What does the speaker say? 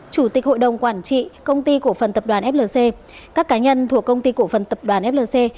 chủ tịch hội đồng quản trị công ty cổ phần tập đoàn flc các cá nhân thuộc công ty cổ phần tập đoàn flc